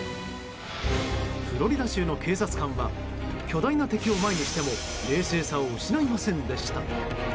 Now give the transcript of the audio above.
フロリダ州の警察官は巨大な敵を前にしても冷静さを失いませんでした。